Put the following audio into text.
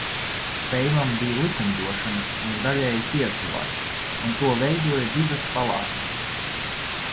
Seimam bija likumdošanas un daļēji tiesu vara, un to veidoja divas palātas.